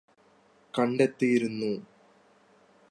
കണ്ടെത്തിയിരുന്നു